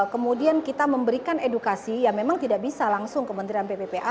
kemudian kita memberikan edukasi ya memang tidak bisa langsung kementerian pppa